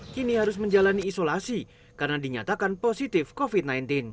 kini harus menjalani isolasi karena dinyatakan positif covid sembilan belas